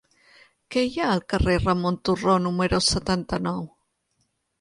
Què hi ha al carrer de Ramon Turró número setanta-nou?